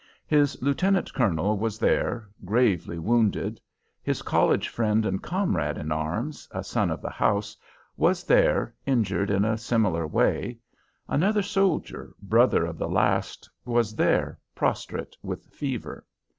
His lieutenant colonel was there, gravely wounded; his college friend and comrade in arms, a son of the house, was there, injured in a similar way; another soldier, brother of the last, was there, prostrate with fever.